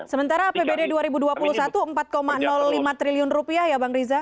sementara pbd dua ribu dua puluh satu rp empat lima triliun ya bang riza